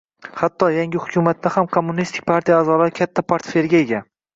Hatto yangi hukumatda ham Kommunistik partiya a'zolari katta portfelga ega